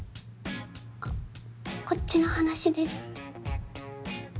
あっこっちの話です